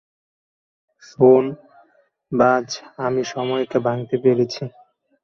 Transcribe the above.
শোন, বায, আমি সময়কে ভাঙতে পেরেছি।